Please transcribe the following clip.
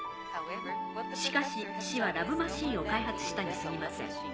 しかし氏は「ラブ・マシーン」を開発したにすぎません。